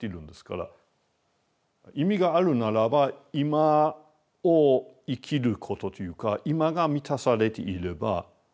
意味があるならば今を生きることというか今が満たされていればもうそれ以上に意味がない。